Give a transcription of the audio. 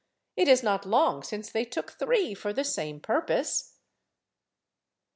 It is not long since they took three for the same purpose."